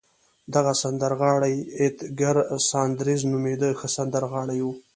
دغه سندرغاړی اېدګر ساندرز نومېده، ښه سندرغاړی و.